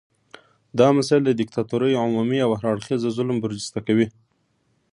دا مسایل د دیکتاتورۍ عمومي او هر اړخیز ظلم برجسته کوي.